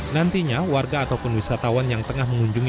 nantinya warga ataupun wisatawan yang tengah mengunjungi